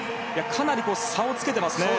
かなり差をつけていますね。